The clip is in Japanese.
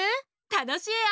たのしいよ。